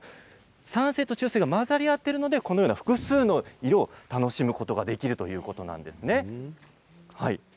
酸性と中性が混ざり合っているのでこのような複数の色を楽しむことができるということなんですね。